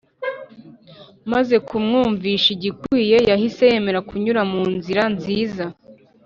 Maze kumwumvisha igikwiye yahise yemera kunyura mu nzira nziza